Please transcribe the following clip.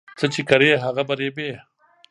څه چې کري هغه به رېبې